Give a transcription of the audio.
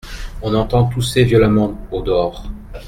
On entend tousser violemment, au-dehors.